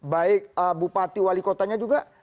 baik bupati wali kotanya juga